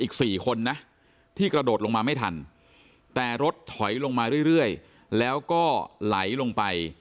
อีก๔คนนะที่กระโดดลงมาไม่ทันแต่รถถอยลงมาเรื่อยแล้วก็ไหลลงไป